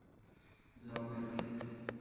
যাও, প্যানকেক।